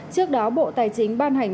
trước đó bộ tài chính ban hành